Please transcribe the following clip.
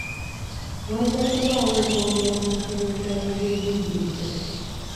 Wajja kubaawo okwongera mu mpeereza y'ebyenjigiriza.